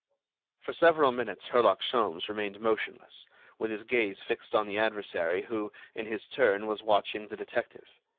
For several minutes Herlock Sholmes remained motionless, with his gaze fixed on the adversary who, in his turn was watching the detective.